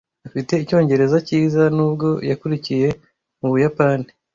Afite icyongereza cyiza nubwo yakuriye mu Buyapani.